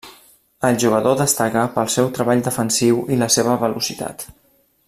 El jugador destaca pel seu treball defensiu i la seva velocitat.